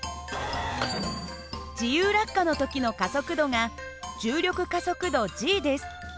自由落下の時の加速度が重力加速度です。